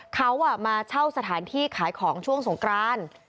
เขามาเช่าสถานที่ขายของช่วงสงกราน